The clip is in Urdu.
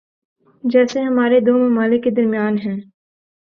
جیسے ہمارے دو ممالک کے درمیان ہیں۔